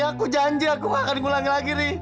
aku janji aku enggak akan ulangi lagi ri